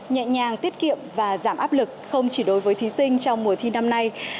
nhẹ nhàng tiết kiệm và giảm áp lực không chỉ đối với thí sinh trong mùa thi năm nay